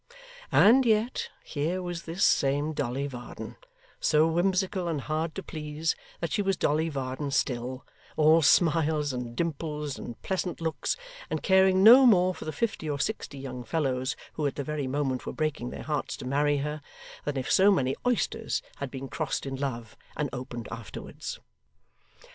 And yet here was this same Dolly Varden, so whimsical and hard to please that she was Dolly Varden still, all smiles and dimples and pleasant looks, and caring no more for the fifty or sixty young fellows who at that very moment were breaking their hearts to marry her, than if so many oysters had been crossed in love and opened afterwards.